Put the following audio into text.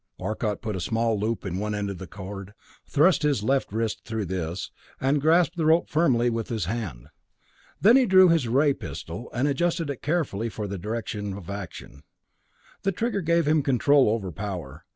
Arcot put a small loop in one end of a cord, thrust his left wrist through this, and grasped the rope firmly with his hand. Then he drew his ray pistol, and adjusted it carefully for direction of action. The trigger gave him control over power.